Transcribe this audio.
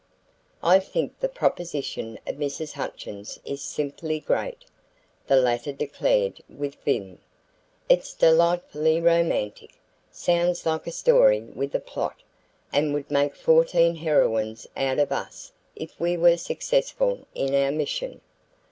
"I think the proposition of Mrs. Hutchins is simply great," the latter declared with vim. "It's delightfully romantic, sounds like a story with a plot, and would make fourteen heroines out of us if we were successful in our mission."